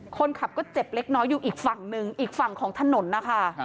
คนขับก็เจ็บเล็กน้อยอยู่อีกฝั่งหนึ่งอีกฝั่งของถนนนะคะ